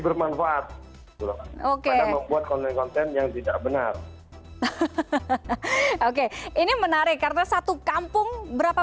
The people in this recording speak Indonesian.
bermanfaat pada membuat konten konten yang tidak benar oke ini menarik karena satu kampung berapa